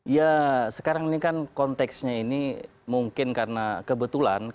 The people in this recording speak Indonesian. ya sekarang ini kan konteksnya ini mungkin karena kebetulan